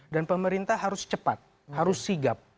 dan pemerintah harus cepat harus sigap